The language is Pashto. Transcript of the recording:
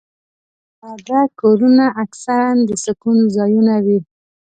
ساده کورونه اکثره د سکون ځایونه وي.